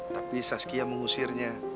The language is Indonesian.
tapi saskia mengusirnya